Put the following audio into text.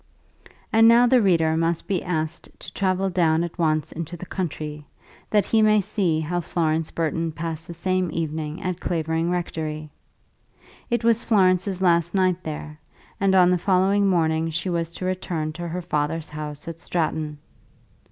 And now the reader must be asked to travel down at once into the country, that he may see how Florence Burton passed the same evening at Clavering Rectory. It was Florence's last night there, and on the following morning she was to return to her father's house at Stratton.